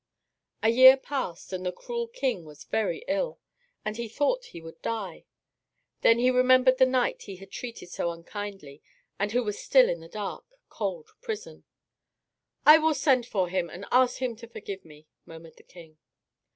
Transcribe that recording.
A year passed and the cruel king was very ill, and he thought he would die. Then he remembered the knight he had treated so unkindly, and who was still in the dark, cold prison. "I will send for him, and ask him to forgive me," murmured the king.